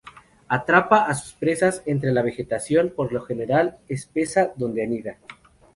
Atrapa a sus presas entre la vegetación, por lo general espesa, donde anida.